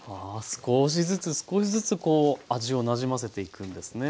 少しずつ少しずつこう味をなじませていくんですね。